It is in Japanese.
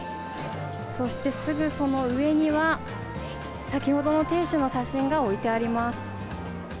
そして、すぐその上には、先ほどの店主の写真が置いてあります。